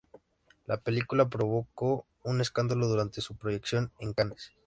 La película provocó un escándalo durante su proyección en Cannes.